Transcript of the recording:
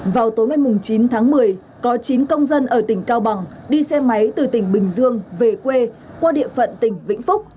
vào tối ngày chín tháng một mươi có chín công dân ở tỉnh cao bằng đi xe máy từ tỉnh bình dương về quê qua địa phận tỉnh vĩnh phúc